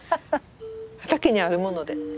畑にあるもので出来た。